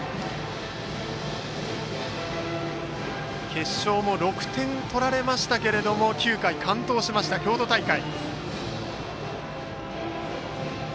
決勝も６点取られましたが９回完投しました、京都大会。